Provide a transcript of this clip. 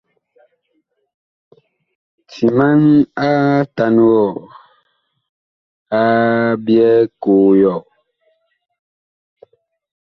Timan atan wɔ a byɛɛ koo yɔɔ.